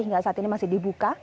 hingga saat ini masih dibuka